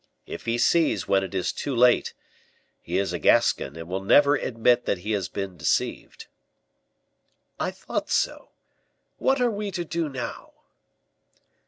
If he sees, when it is too late, he is a Gascon, and will never admit that he has been deceived." "I thought so. What are we to do, now?"